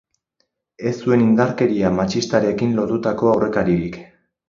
Ez zuen indarkeria matxistarekin lotutako aurrekaririk.